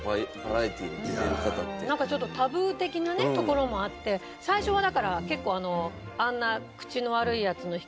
なんかちょっとタブー的なねところもあって最初はだから結構あんな。